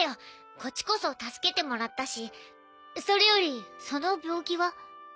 こっちこそ助けてもらったしそれよりその病気は？